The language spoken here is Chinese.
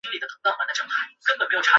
於澳底写生